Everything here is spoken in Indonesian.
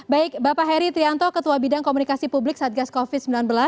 baik bapak heri trianto ketua bidang komunikasi publik satgas covid sembilan belas